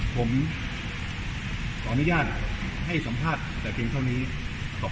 ผมขออนุญาตให้สัมภาษณ์แต่เพียงเท่านี้ตอบ